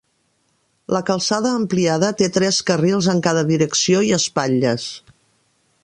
La calçada ampliada té tres carrils en cada direcció i espatlles.